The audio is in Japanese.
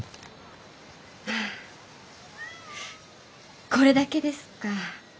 あこれだけですか？